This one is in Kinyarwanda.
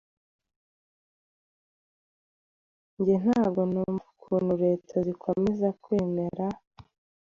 jye ntabwo numva ukuntu leta zikomeza kwemera